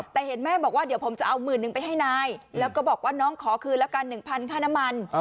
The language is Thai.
แต่เห็นแม่บอกว่าเดี๋ยวผมจะเอาหมื่นหนึ่งไปให้นายแล้วก็บอกว่าน้องขอคืนละกัน๑๐๐ค่าน้ำมัน